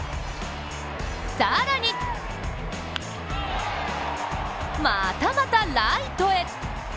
更にまたまたライトへ！